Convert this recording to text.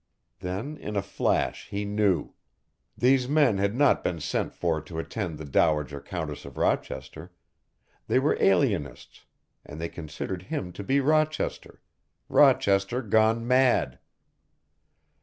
Then in a flash he knew. These men had not been sent for to attend the Dowager Countess of Rochester, they were alienists, and they considered him to be Rochester Rochester gone mad.